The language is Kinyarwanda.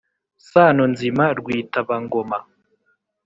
sano nzima rwitaba-ngoma